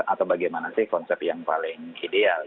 atau bagaimana sih konsep yang paling ideal